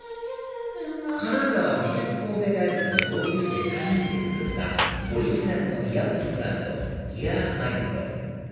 金沢美術工芸大学の同級生３人で作ったオリジナルのイヤホンブランドＥＡＲＭＩＮＤ